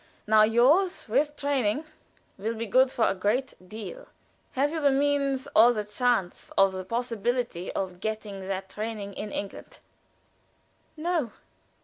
Now yours, with training, will be good for a great deal. Have you the means, or the chance, or the possibility of getting that training in England?" "No."